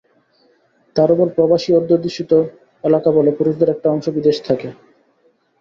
তার ওপর প্রবাসী অধ্যুষিত এলাকা বলে পুরুষদের একটা অংশ বিদেশে থাকে।